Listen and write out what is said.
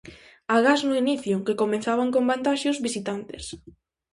Agás no inicio, que comezaban con vantaxe os visitantes.